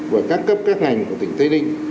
và các cấp các ngành của tỉnh tây ninh